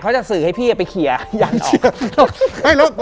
เขาจะสื่อให้พี่ไปเคลียร์ยันต์ออก